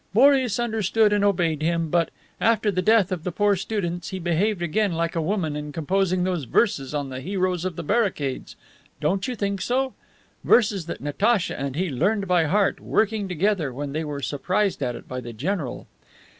Boris understood and obeyed him, but, after the death of the poor students, he behaved again like a woman in composing those verses on the heroes of the barricades; don't you think so? Verses that Natacha and he learned by heart, working together, when they were surprised at it by the general.